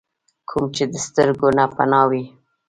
کوم چې د سترګو نه پناه وي ۔